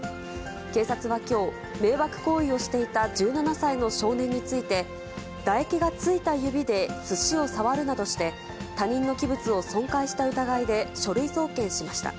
警察はきょう、迷惑行為をしていた１７歳の少年について、唾液がついた指ですしを触るなどして、他人の器物を損壊した疑いで書類送検しました。